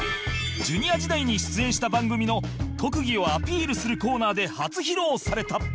Ｊｒ． 時代に出演した番組の特技をアピールするコーナーで初披露された